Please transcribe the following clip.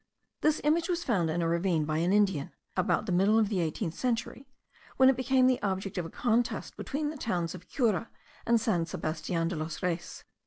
This image was found in a ravine by an Indian, about the middle of the eighteenth century, when it became the object of a contest between the towns of Cura and San Sebastian de los Reyes.